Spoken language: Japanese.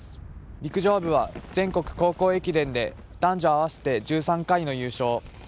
陸上部は、全国高校駅伝で男女合わせて１３回の優勝。